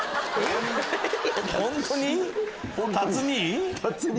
本当に？